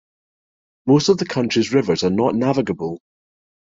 Most of the country's rivers are not navigable.